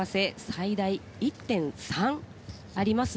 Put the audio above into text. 最大１．３あります。